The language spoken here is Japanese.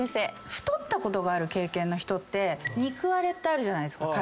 太ったことがある経験の人って肉割れってあるじゃないですか。